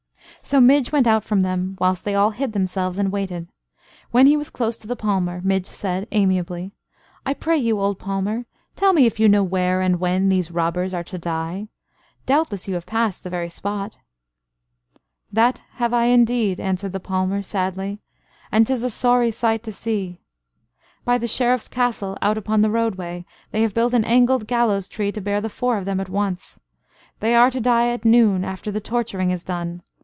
So Midge went out from them, whilst they all hid themselves and waited. When he was close to the palmer, Midge said, amiably: "I pray you, old palmer, tell me if you know where and when these robbers are to die? Doubtless you have passed the very spot?" "That have I, indeed," answered the palmer, sadly, "and 'tis a sorry sight to see. By the Sheriff's castle, out upon the roadway, they have built an angled gallows tree to bear the four of them at once. They are to die at noon, after the torturing is done.